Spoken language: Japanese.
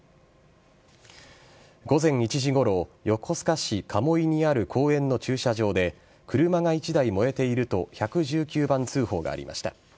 午前１時ごろ横須賀市鴨居にある公園の駐車場で車が１台燃えていると１１９番通報がありました。